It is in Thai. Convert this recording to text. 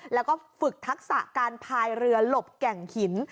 แล้วก็ฝึกทักษะการพายเรือหลบแก่งหิน